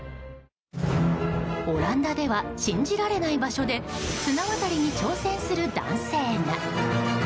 オランダでは信じられない場所で綱渡りに挑戦する男性が。